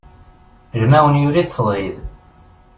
Lmaɛun yuli-t ṣdid.